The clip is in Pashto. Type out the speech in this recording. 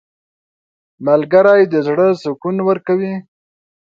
• ملګری د زړه سکون ورکوي.